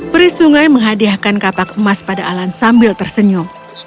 peri sungai menghadiahkan kapak emas pada alan sambil tersenyum